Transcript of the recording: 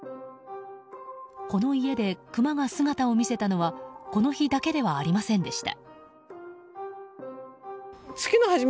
この家で、クマが姿を見せたのはこの日だけではありませんでした。